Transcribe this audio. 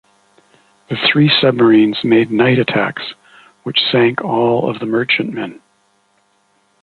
The three submarines made night attacks which sank all of the merchantmen.